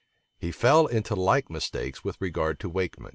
[] He fell into like mistakes with regard to Wakeman.